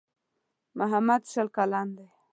محمد شل کلن دی.